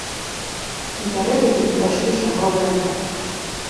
Напярэдадні прайшлі чарговыя матчы.